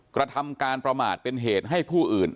กระทำการประมาทเป็นเหตุให้ผู้อื่น